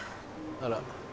あら。